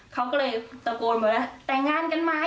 เขาก็เลยตะโกนแต่งงานกันไหม